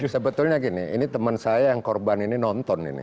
sebetulnya gini ini teman saya yang korban ini nonton ini